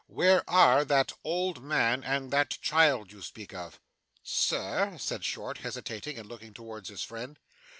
Where are that old man and that child you speak of?' 'Sir?' said Short, hesitating, and looking towards his friend.